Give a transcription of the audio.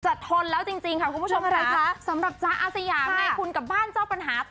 จะทนแล้วจริงค่ะคุณผู้ชมภาพสำหรับจ๊าอาเสย่า